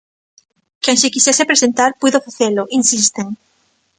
"Quen se quixese presentar, puido facelo", insisten.